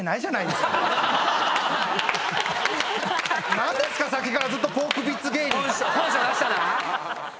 何ですか⁉さっきからずっとポークビッツ芸人って。